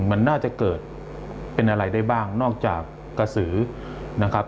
มันน่าจะเกิดเป็นอะไรได้บ้างนอกจากกระสือนะครับ